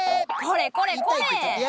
これこれこれ！